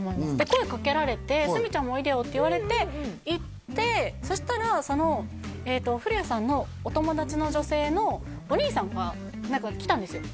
声かけられて「鷲見ちゃんもおいでよ」って言われて行ってそしたらその古谷さんのお友達の女性のお兄さんが来たんですよ